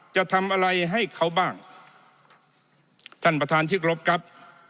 จะทำอะไรให้เขาบ้างท่านประธานที่กรบครับ